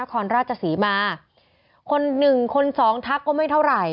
คอนราชศรีมาคนหนึ่งคนสองทักก็ไม่เท่าไหร่